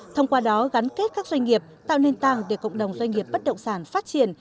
thông qua đó gắn kết các doanh nghiệp tạo nền tảng để cộng đồng doanh nghiệp bất động sản phát triển